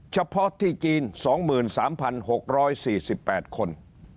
เฉพาะที่จีน๒๓๖๔๘คน